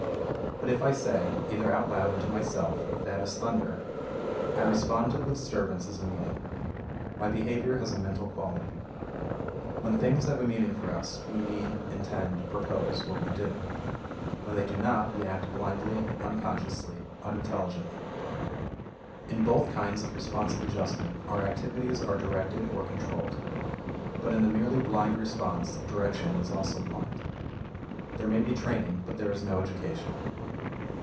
But if I say, either out loud or to myself, that is thunder, I respond to the disturbance as a meaning. My behavior has a mental quality. When things have a meaning for us, we mean (intend, propose) what we do: when they do not, we act blindly, unconsciously, unintelligently. In both kinds of responsive adjustment, our activities are directed or controlled. But in the merely blind response, direction is also blind. There may be training, but there is no education.